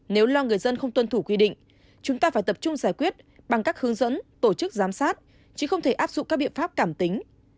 nếu lo người dân không tuân thủ quy định chúng ta phải tập trung giải quyết bằng các hướng dẫn tổ chức giám sát chứ không thể áp dụng các biện pháp cảm tính